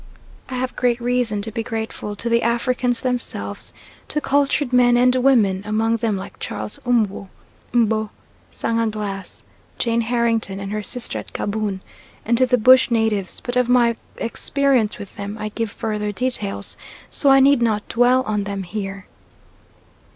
I have great reason to be grateful to the Africans themselves to cultured men and women among them like Charles Owoo, Mbo, Sanga Glass, Jane Harrington and her sister at Gaboon, and to the bush natives; but of my experience with them I give further details, so I need not dwell on them here.